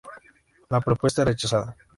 La propuesta es rechazada.